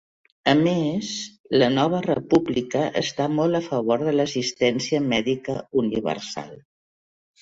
A més, "La Nova República" està molt a favor de l'assistència mèdica universal.